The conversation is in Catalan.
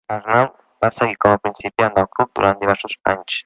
Arnaud va seguir com a principiant del club durant diversos anys.